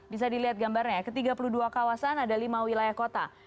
bisa dilihat gambarnya ya ke tiga puluh dua kawasan ada lima wilayah kota